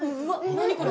何これ。